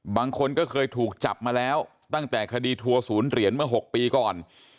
บางคนก็เคยถูกจับมาแล้วตั้งแต่คดีทัวร์ศูนย์เหรียญเมื่อ๖ปีก่อน